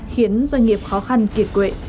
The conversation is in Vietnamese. khiến doanh nghiệp khó khăn kiệt quệ